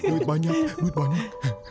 duit banyak duit banyak